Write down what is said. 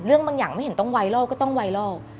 บางอย่างไม่เห็นต้องไวรอลก็ต้องไวรอล